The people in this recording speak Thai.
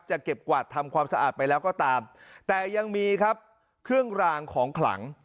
เก็บกวาดทำความสะอาดไปแล้วก็ตามแต่ยังมีครับเครื่องรางของขลัง